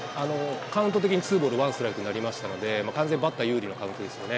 カウント的にツーボールワンストライクになりましたので、完全にバッター有利なカウントですよね。